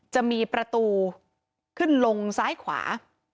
จะมีประตูขึ้นลงซ้ายขวา